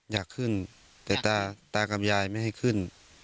อยากขึ้นแต่ตากับยายไม่ให้ขึ้น